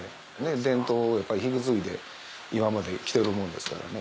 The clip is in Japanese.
伝統を引き継いで今まできてるもんですからね。